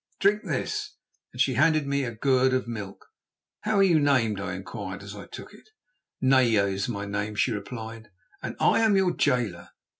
Drink this," and she handed me a gourd of milk. "How are you named?" I inquired as I took it. "Naya is my name," she replied, "and I am your jailer.